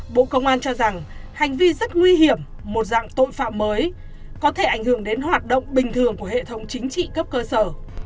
bộ công an cho rằng hành vi rất nguy hiểm một dạng tội phạm mới có thể ảnh hưởng đến hoạt động bình thường của hệ thống chính trị cấp cơ sở